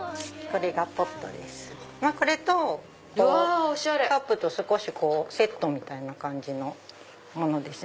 これとカップとセットみたいな感じのものですね。